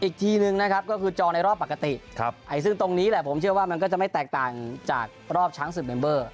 อีกทีนึงนะครับก็คือจองในรอบปกติซึ่งตรงนี้แหละผมเชื่อว่ามันก็จะไม่แตกต่างจากรอบช้างศึกเมมเบอร์